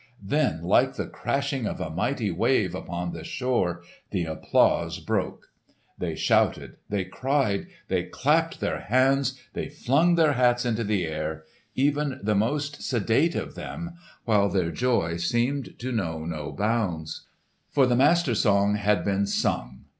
Then like the crashing of a mighty wave upon the shore the applause broke. They shouted, they cried, they clapped their hands, they flung their hats into the air—even the most sedate of them—while their joy seemed to know no bounds. For the Master Song had been sung!